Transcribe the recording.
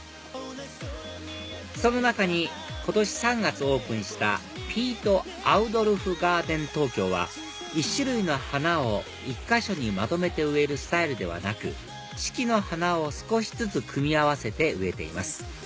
その中に今年３月オープンしたＰＩＥＴＯＵＤＯＬＦＧＡＲＤＥＮＴＯＫＹＯは１種類の花を１か所にまとめて植えるスタイルではなく四季の花を少しずつ組み合わせて植えています